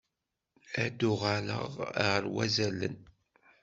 Ad d-uɣaleɣ ɣer wazalen.